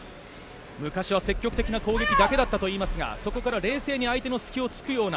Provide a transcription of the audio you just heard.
昔は積極的な攻撃だけだったといいますがそこから冷静に相手の隙を突くような。